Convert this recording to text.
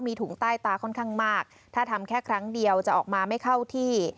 มีถุงใต้ตาค่อนข้างมากถ้าทำแค่ครั้งเดียวจะออกมาไม่เข้าที่